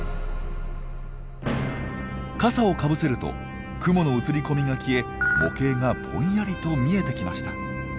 傘をかぶせると雲の映り込みが消え模型がぼんやりと見えてきました。